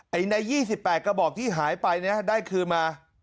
ใน๒๘กระบอกที่หายไปเนี่ยได้คืนมา